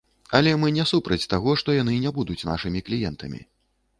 Але мы не супраць таго, што яны не будуць нашымі кліентамі.